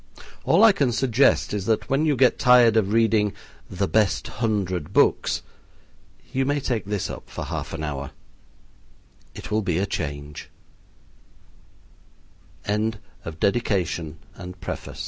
All I can suggest is that when you get tired of reading "the best hundred books," you may take this up for half an hour. It will be a change. CONTENTS. IDLE THOUGHTS OF AN IDLE FELLOW.